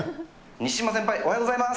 西島先輩、おはようございます。